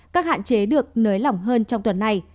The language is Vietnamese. các hạn chế được nới lỏng hơn trong tuần này